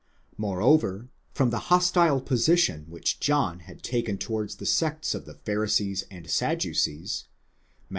Moreover, from the hostile position which _ John had taken towards the sects of the Pharisees and Sadducees (Matt.